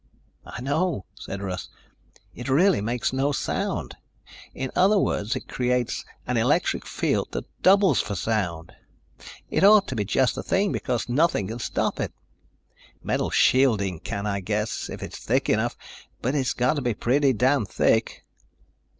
"I know," said Russ. "It really makes no sound. In other words it creates an electric field that doubles for sound. It ought to be just the thing because nothing can stop it. Metal shielding can, I guess, if it's thick enough, but it's got to be pretty damn thick."